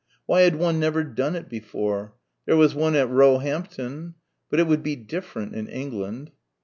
Why had one never done it before? There was one at Roehampton. But it would be different in England.